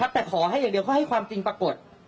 แต่ขอให้อย่างเดียวเขาให้ความจริงปรากฏ